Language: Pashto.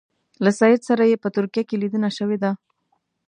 له سید سره یې په ترکیه کې لیدنه شوې ده.